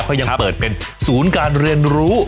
เขายังเปิดเป็นศูนย์การเรียนรู้